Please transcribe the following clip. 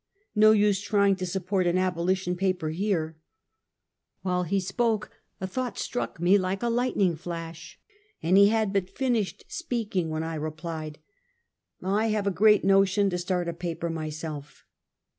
ISTo use trying to support an abolition paper here," While he spoke a thought stru^jk me like a lightning flash, and he had but finished speaking, when I replied: " I have a great notion to start a paper myself."